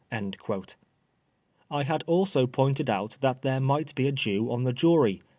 ^' I had also pointed out that there might be a Jew on the jury.